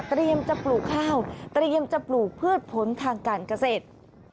จะปลูกข้าวเตรียมจะปลูกพืชผลทางการเกษตร